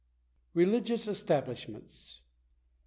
RELIGIOUS ESTABLISHMENTS.